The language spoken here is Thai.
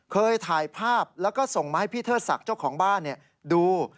เคยถ่ายภาพแล้วก็ส่งมาให้พี่เทิดศักดิ์เจ้าของบ้านดู